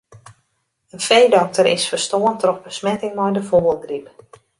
In feedokter is ferstoarn troch besmetting mei de fûgelgryp.